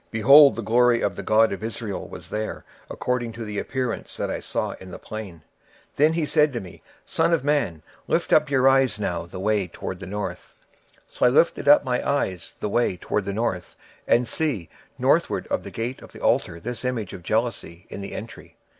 26:008:004 And, behold, the glory of the God of Israel was there, according to the vision that I saw in the plain. 26:008:005 Then said he unto me, Son of man, lift up thine eyes now the way toward the north. So I lifted up mine eyes the way toward the north, and behold northward at the gate of the altar this image of jealousy in the entry.